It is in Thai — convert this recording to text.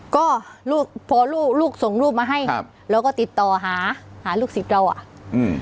ก็ลูกพอลูกลูกส่งรูปมาให้ครับเราก็ติดต่อหาหาลูกศิษย์เราอ่ะอืม